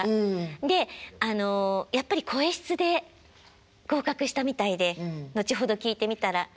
であのやっぱり声質で合格したみたいで後ほど聞いてみたら。